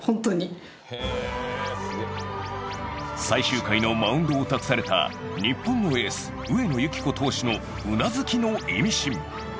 最終回のマウンドを託された日本のエース、上野由岐子投手のうなずきのイミシン。